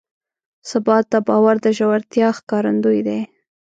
ثبات د باور د ژورتیا ښکارندوی دی.